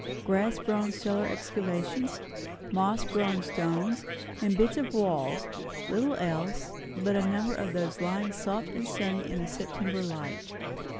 Grass grown cellar excavations, moss grown stones and bits of walls; little else; but a number of those lying soft and sunny in the September light.